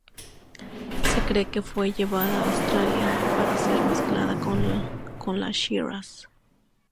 Se cree que fue llevada a Australia para ser mezclada con la shiraz.